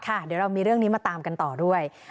เดี๋ยวเรามีเรื่องนี้มาตามกันต่อด้วย